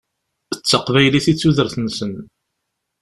D taqbaylit i d tudert-nsen.